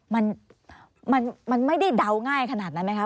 มันมันไม่ได้เดาง่ายขนาดนั้นไหมคะ